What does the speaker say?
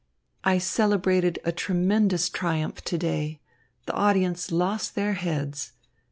"I celebrated a tremendous triumph to day. The audience lost their heads.